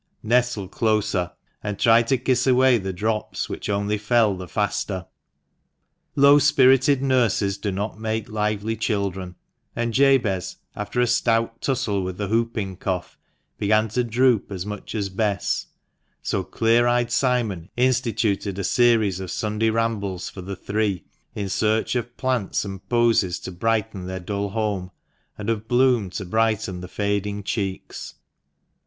nestle closer, and try to kiss away the drops, which only fell the faster. Low spirited nurses do not make lively children, and Jabez, after a stout tussle with the whooping cough, began to droop as much as Bess ; so clear eyed Simon instituted a series of Sunday rambles for the three, in search of plants and posies, to brighten their dull home, and of bloom to brighten the fading cheeks.